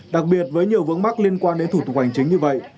đặc biệt với nhiều vướng mắc liên quan đến thủ tục hành chính như vậy